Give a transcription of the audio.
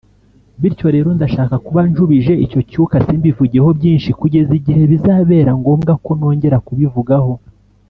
bityo rero ndashaka kuba ncubije icyo cyuka simbivugeho byinshi kugeza igihe bizabera ngombwa ko nongera kubivugaho